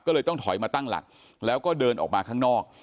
ก็เลยต้องถอยมาตั้งหลักแล้วก็เดินออกมาข้างนอก